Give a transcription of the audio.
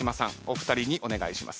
お二人にお願いします。